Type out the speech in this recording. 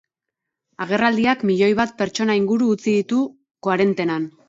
Agerraldiak milioi bat pertsona inguru utzi ditu koarentenan.